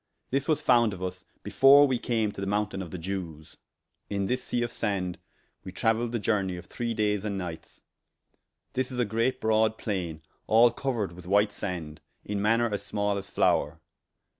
This was founde of vs before we came to the mountayne of the Jewes. In this sea of sande we traueiled the journey of three days and nightes: this is a great brode plaine, all couered with white sande, in maner as small as floure.